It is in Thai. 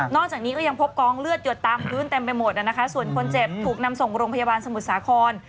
จากนี้ก็ยังพบกองเลือดหยดตามพื้นเต็มไปหมดนะคะส่วนคนเจ็บถูกนำส่งโรงพยาบาลสมุทรสาคร